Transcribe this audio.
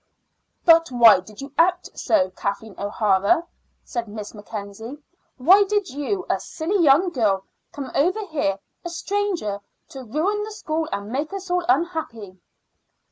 "But why did you act so, Kathleen O'Hara?" said Miss Mackenzie. "Why did you, a silly young girl, come over here, a stranger, to ruin the school and make us all unhappy?"